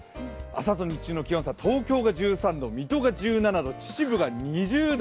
朝と日中の気温差、東京が１３度、水戸が１７度、秩父が２０度！